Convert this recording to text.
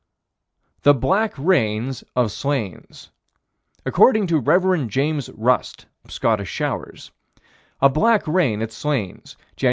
The black rains of Slains: According to Rev. James Rust (Scottish Showers): A black rain at Slains, Jan.